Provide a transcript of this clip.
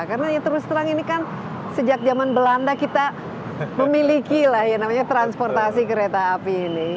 karena yang terus terang ini kan sejak zaman belanda kita memiliki transportasi kereta api ini